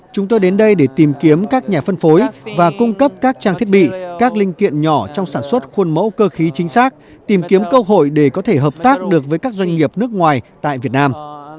chúng tôi đến đây để tìm kiếm các nhà phân phối và cung cấp các trang thiết bị các linh kiện nhỏ trong sản xuất khuôn mẫu cơ khí chính xác tìm kiếm cơ hội để có thể hợp tác được với các doanh nghiệp nước ngoài tại việt nam